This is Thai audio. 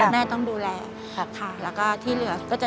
เบอร์โทรก็๐๖๕๑๑๔๑๒๒๕อุทัยทางนี้ค่ะ